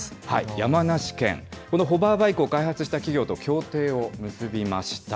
山梨県、このホバーバイクを開発した企業と協定を結びました。